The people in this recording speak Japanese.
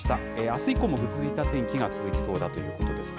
あす以降もぐずついた天気が続きそうだということです。